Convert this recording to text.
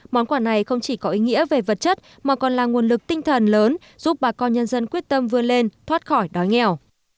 món quà này không chỉ có ý nghĩa về vật chất mà còn là nguồn lực tinh thần lớn giúp bà con nhân dân quyết tâm vươn lên thoát khỏi đói nghèo